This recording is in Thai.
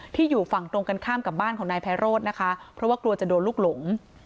อยู่ฝั่งตรงกันข้ามกับบ้านของนายไพโรธนะคะเพราะว่ากลัวจะโดนลูกหลง